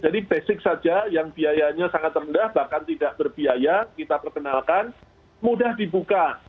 jadi basic saja yang biayanya sangat rendah bahkan tidak berbiaya kita perkenalkan mudah dibuka